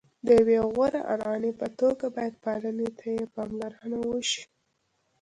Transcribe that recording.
د یوې غوره عنعنې په توګه باید پالنې ته یې پاملرنه وشي.